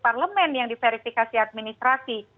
parlemen yang diverifikasi administrasi